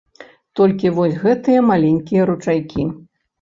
Толькі вось гэтыя маленькія ручайкі.